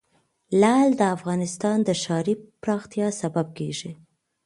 لعل د افغانستان د ښاري پراختیا سبب کېږي.